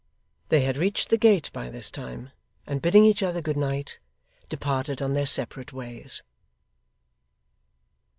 They had reached the gate by this time, and bidding each other good night, departed on their separate ways.